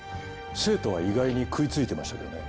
生徒は意外に食いついてましたけどね。